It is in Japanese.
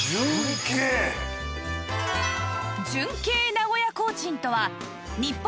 純系名古屋コーチンとは日本